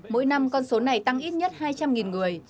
mỗi năm con số này tăng ít nhất hai trăm linh người